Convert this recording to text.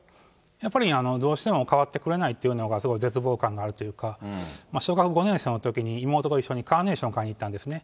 やっぱりどうしても変わってくれないっていうのが、すごい絶望感があるというか、小学５年生のときに、妹と一緒カーネーションを買いに行ったんですね。